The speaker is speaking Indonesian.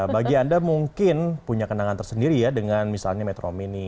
bagi anda mungkin punya kenangan tersendiri ya dengan misalnya metro mini